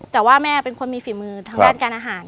แต่ว่าแม่เป็นคนมีฝีมือทางด้านการอาหาร